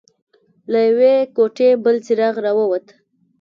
له يوې کوټې بل څراغ راووت.